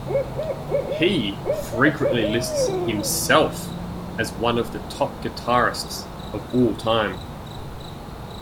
He frequently lists himself as one of the Top Guitarists of All Time.